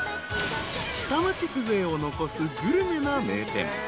［下町風情を残すグルメな名店］